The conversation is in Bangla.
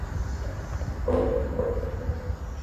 পুনর্জন্মবাদ সম্বন্ধে আর একটি কথা বলিয়াই নিবৃত্ত হইব।